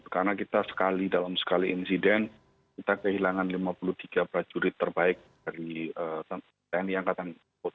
karena kita sekali dalam sekali insiden kita kehilangan lima puluh tiga prajurit terbaik dari tni angkatan